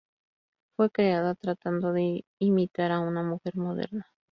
Fue creada tratando de imitar a una mujer moderna.